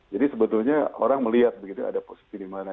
jadi sebetulnya orang melihat begitu ada posisi dimana